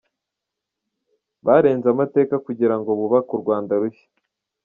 Barenze amateka kugira ngo bubake u Rwanda rushya.